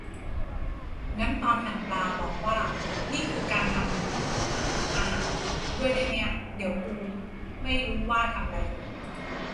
งั้นตอนหั่นปลาบอกว่า "นี่คือการทำหาอาหาร" ด้วยได้ไหมอ่ะ เดี๋ยวกรูไม่รู้ว่าทำไรกันอยู่